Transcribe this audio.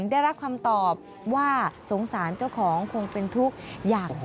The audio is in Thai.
ได้รักความตอบว่าสงสารเจ้าของคงเป็นทุกข์